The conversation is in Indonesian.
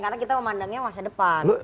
karena kita mau mandangnya masa depan